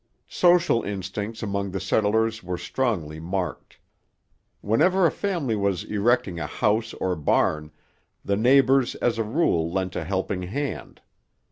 Social instincts among the settlers were strongly marked. Whenever a family was erecting a house or barn, the neighbours as a rule lent a helping hand.